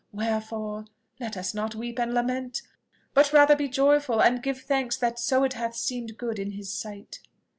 Wherefore, let us not weep and lament, but rather be joyful and give thanks that so it hath seemed good in his sight!"